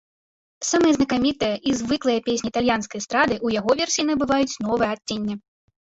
Самыя знакамітыя і звыклыя песні італьянскай эстрады ў яго версіі набываюць новае адценне.